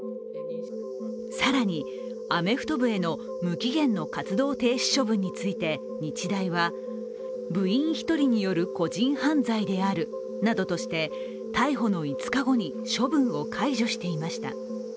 更に、アメフト部への無期限の活動停止処分について日大は部員１人による個人犯罪であるなどとして逮捕の５日後に処分を解除していました。